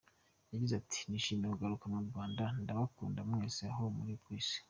Yagize ati “Nishimiye kugaruka mu Rwanda, ndabakunda mwese aho muri ku Isi….